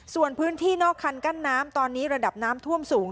ส่วนพื้นที่นอกคันกั้นน้ำตอนนี้ระดับน้ำท่วมสูง